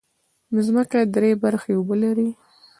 مځکه درې برخې اوبه لري.